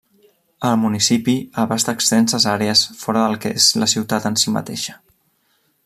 El municipi abasta extenses àrees fora del que és la ciutat en si mateixa.